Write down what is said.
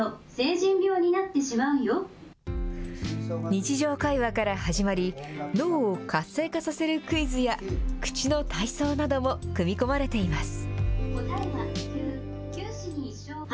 日常会話から始まり、脳を活性化させるクイズや、口の体操なども組み込まれています。